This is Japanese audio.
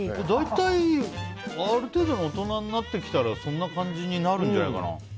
大体、ある程度の大人になってきたらそんな感じになるんじゃないかな。